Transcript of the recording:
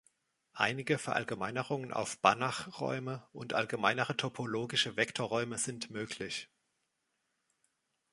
Einige Verallgemeinerungen auf Banach-Räume und allgemeinere topologische Vektorräume sind möglich.